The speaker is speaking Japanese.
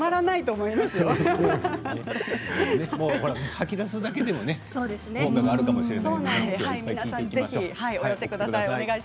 笑い声吐き出すだけでも効果があるかもしれませんね。